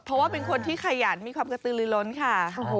เพราะว่าเป็นคนที่ขยันมีความกระตือลือล้นค่ะ